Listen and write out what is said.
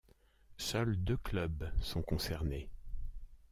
Seuls deux clubs sont concernés.